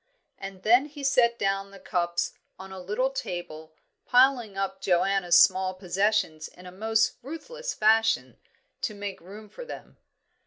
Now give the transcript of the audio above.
And then he set down the cups on a little table, piling up Joanna's small possessions in a most ruthless fashion, to make room for them.